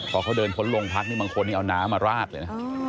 พอเขาเดินผลลงพักบางคนเอาน้ำมาราดเลยนะ